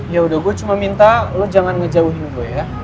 ya udah gua cuma minta lu jangan ngejauhin gua ya